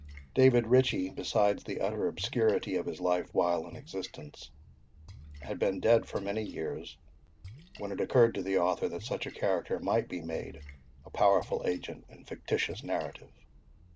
David Ritchie, besides the utter obscurity of his life while in existence, had been dead for many years, when it occurred to the author that such a character might be made a powerful agent in fictitious narrative.